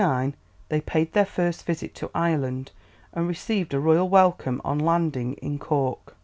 ] In 1849 they paid their first visit to Ireland, and received a royal welcome on landing in Cork.